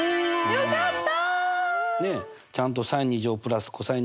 よかった。